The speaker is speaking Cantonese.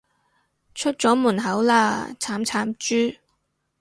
出咗門口喇，慘慘豬